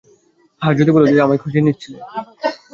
হ্যাঁ, যদি বলো যে তুমি আমায় খুঁজছিলে।